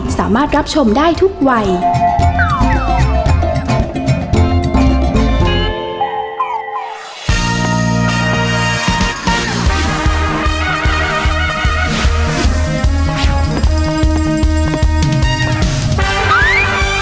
แม่บ้านปัจจันบรรย์